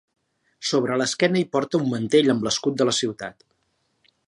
Sobre l’esquena hi porta un mantell amb l’escut de la ciutat.